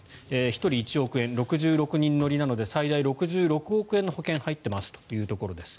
１人１億円６６人乗りなので最大６６億円の保険に入っていますというところです。